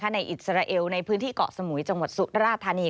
อิสราเอลในพื้นที่เกาะสมุยจังหวัดสุราธานี